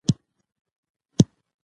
زه به سبا د ذهن تمرکز تمرین کړم.